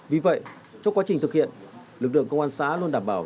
vì vậy trong quá trình thực hiện lực lượng công an xã luôn đảm bảo